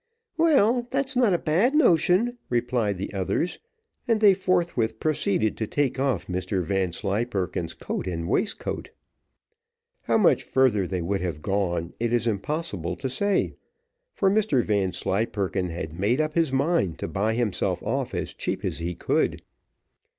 "Well, that's not a bad notion," replied the others, and they forthwith proceeded to take off Mr Vanslyperken's coat and waistcoat. How much further they would have gone it is impossible to say, for Mr Vanslyperken had made up his mind to buy himself off as cheap as he could.